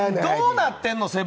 どうなってんの？